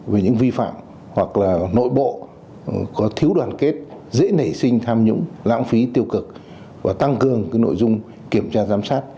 về những vi phạm hoặc là nội bộ có thiếu đoàn kết dễ nảy sinh tham nhũng lãng phí tiêu cực và tăng cường nội dung kiểm tra giám sát